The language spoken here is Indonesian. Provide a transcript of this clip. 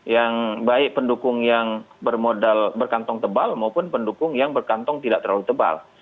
yang baik pendukung yang bermodal berkantong tebal maupun pendukung yang berkantong tidak terlalu tebal